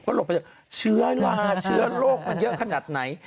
ก็หลบไปเชื้อโรคมันเยอะขนาดไหน